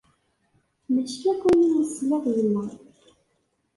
Maci akk ayen umi teslid, yella.